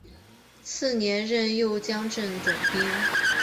次年任右江镇总兵。